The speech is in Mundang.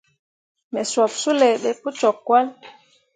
Me sup suley ɓe pu cok cahl.